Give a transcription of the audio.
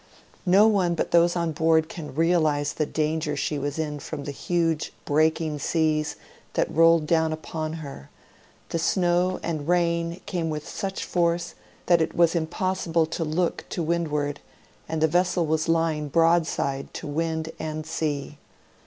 No one but those on board can realize the danger she was in fi'om the huge breaking seas that rolled down upon her; the snow and rain came with such force that it was impossible to look to wind ward, and the vessel was lying broadside to wind and sea.